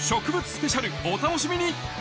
スペシャルお楽しみに！